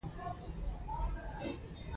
سیاسي مشارکت د بدلون وسیله ده